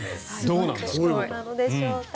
どうなんでしょうか。